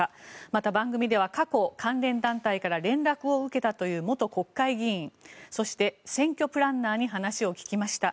また、番組では過去関連団体から連絡を受けたという元国会議員そして選挙プランナーに話を聞きました。